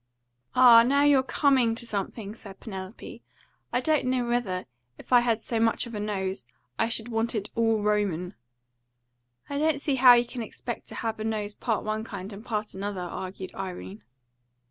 "Ah, now you're COMING to something," said Penelope. "I don't know whether, if I had so much of a nose, I should want it all Roman." "I don't see how you can expect to have a nose part one kind and part another," argued Irene.